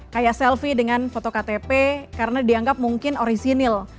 kayak selfie dengan foto ktp karena dianggap mungkin orisinil